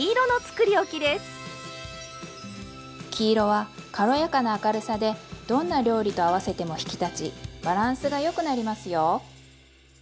黄色は軽やかな明るさでどんな料理と合わせても引き立ちバランスがよくなりますよ。